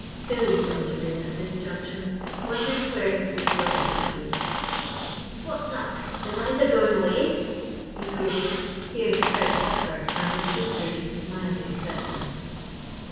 Billy sauntered in at this juncture wondering where his big brother could be. "What's up Eliza going away?" he queried, hearing Fred's offer and his sister's smiling acceptance.